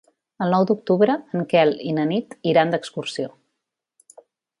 El nou d'octubre en Quel i na Nit iran d'excursió.